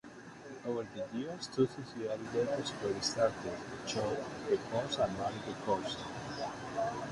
Over the years, two subsidiary labels were started: Shout Records and Bullet Records.